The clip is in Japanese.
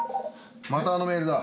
またあのメールだ。